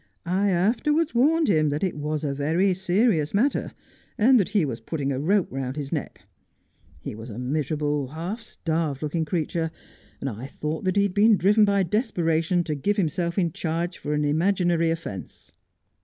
I afterwards warned him that it was a very serious matter, and that he was putting a rope round his neck. He was a miserable, half starved looking creature, and I thought that he had been driven by desperation to give himself in charge for an imaginary offence.